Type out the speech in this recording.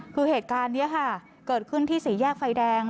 คือเหตุการณ์นี้ค่ะเกิดขึ้นที่สี่แยกไฟแดง